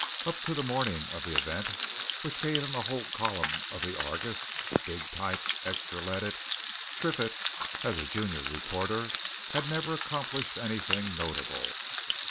Up to the morning of the event, which gave him a whole column of the Argus (big type, extra leaded), Triffitt, as a junior reporter, had never accomplished anything notable.